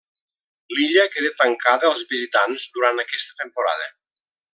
L'illa queda tancada als visitants durant aquesta temporada.